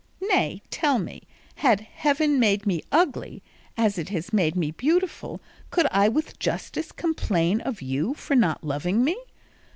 Nay tell me had Heaven made me ugly, as it has made me beautiful, could I with justice complain of you for not loving me?